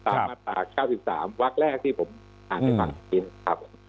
ตามมาตรา๙๓วักแรกที่ผมอ่านให้ฟังจริงครับ